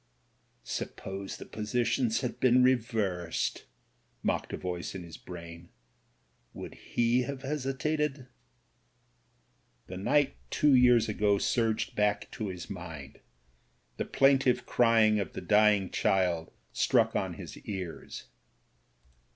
'^Suppose the positions had been reversed," mocked a voice in his brain. "Would he have hesitated?'* The night two years ago surged back to his mind ; the plaintive crying of the dying child struck on his ears.